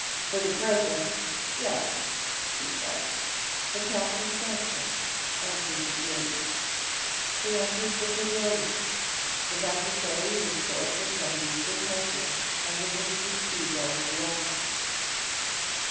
"For the present yes," he said. The captain thanked him, and disappeared. They entered the pavilion. The necessary restorative measures were taken under Mr. Speedwell's directions.